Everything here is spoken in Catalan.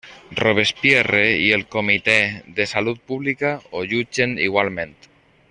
Robespierre i el Comitè de salut pública ho jutgen igualment.